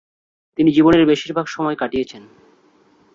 তিনি জীবনের বেশির ভাগ সময় কাটিয়েছেন।